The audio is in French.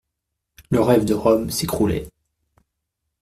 Le rêve de Rome s'écroulait.